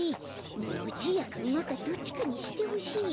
もうじいやかうまかどっちかにしてほしいよ。